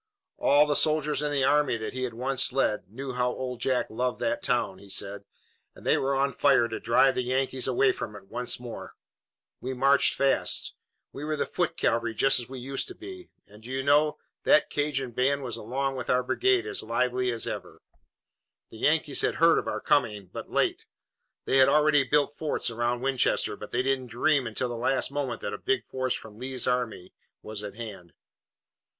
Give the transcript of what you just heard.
"All the soldiers in the army that he had once led knew how Old Jack loved that town," he said, "and they were on fire to drive the Yankees away from it once more. We marched fast. We were the foot cavalry, just as we used to be; and, do you know, that Cajun band was along with our brigade, as lively as ever. The Yankees had heard of our coming, but late. They had already built forts around Winchester, but they didn't dream until the last moment that a big force from Lee's army was at hand.